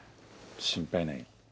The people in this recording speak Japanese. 心配ないよ。